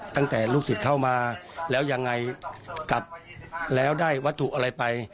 ตั้งแต่ลูกศิษย์เข้ามาแล้วยังไงกลับแล้วได้วัตถุอะไรไป